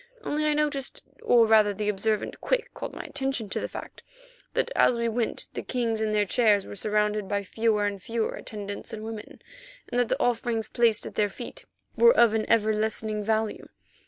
Only I noticed, or rather the observant Quick called my attention to the fact, that as we went the kings in their chairs were surrounded by fewer and fewer attendants and women, and that the offerings placed at their feet were of an ever lessening value.